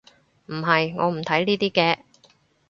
唔係，我唔睇呢啲嘅